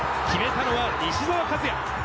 決めたのは西澤和哉。